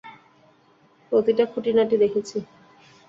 প্রতিটা খুটিনাটি দেখেছি।